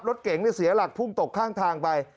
รถเก๋งเนี่ยเสียหลัดภูมิตกข้างทางไป